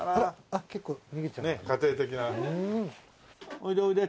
おいでおいで。